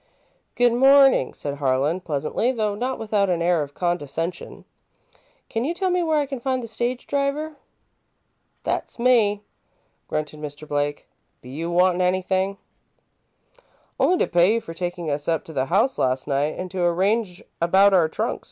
"Good morning," said Harlan, pleasantly, though not without an air of condescension. "Can you tell me where I can find the stage driver?" "That's me," grunted Mr. Blake. "Be you wantin' anythin'?" "Only to pay you for taking us up to the house last night, and to arrange about our trunks.